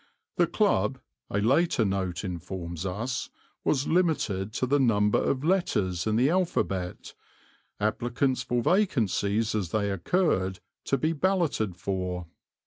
The club, a later note informs us, was limited to the number of letters in the alphabet, applicants for vacancies as they occurred to be balloted for.